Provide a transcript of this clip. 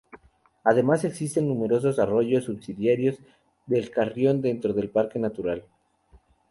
Además existen numerosos arroyos subsidiarios del Carrión dentro del parque natural.